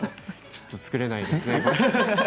ちょっと作れないですね。